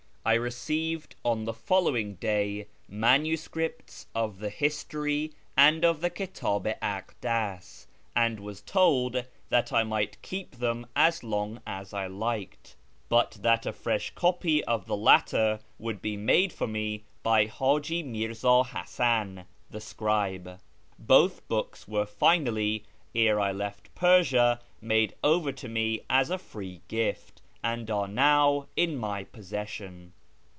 I received on the following day manuscripts of the History and of the Kitdh i AIcdas, and was told that I might keep them as long as I liked, but that a fresh copy of the latter would be made for me by H;iji Mirz;i Hasan, the scribe. Both books were finally, ere I left Persia, made over to me as a free gift, and are now in my possession.